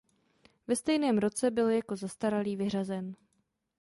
Ve stejném roce byl jako zastaralý vyřazen.